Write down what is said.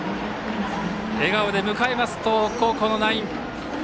笑顔で迎える東北高校のナイン。